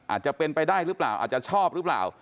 อาจจะเป็นไปได้หรือเปล่าอาจจะชอบหรือเปล่า